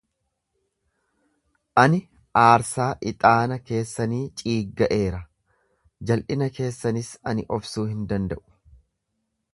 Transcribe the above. Ani aarsaa ixaana keessanii ciigga'eera, jal'ina keessanis ani obsuu hin danda'u.